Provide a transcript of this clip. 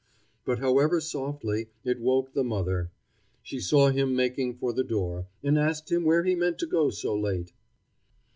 But however softly, it woke the mother. She saw him making for the door, and asked him where he meant to go so late.